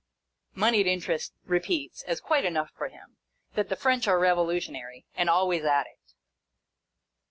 Monied Interest repeats, as quite enough for him, that the French are revolutionary, "— and always at it."